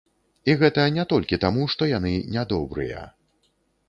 І гэта не толькі таму, што яны нядобрыя.